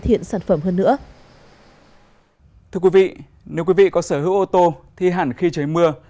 thưa quý vị nếu quý vị có sở hữu ô tô thì hẳn khi trời mưa